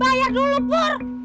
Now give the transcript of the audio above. bayar dulu pur